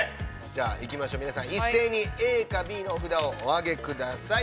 じゃあ、行きましょう、皆さん一斉に、ＡかＢのお札をお挙げください。